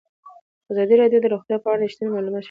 ازادي راډیو د روغتیا په اړه رښتیني معلومات شریک کړي.